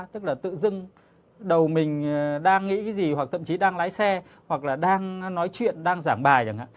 tức là tự dưng đầu mình đang nghĩ cái gì hoặc thậm chí đang lái xe hoặc là đang nói chuyện đang giảng bài chẳng hạn